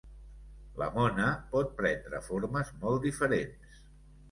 La mona pot prendre formes molt diferents.